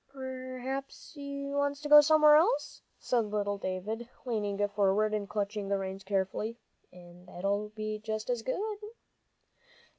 "P'r'aps he wants to go somewhere else," said little David, leaning forward and clutching the reins carefully, "and that'll be just as good."